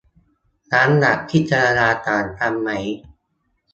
น้ำหนักพิจารณาต่างกันไหม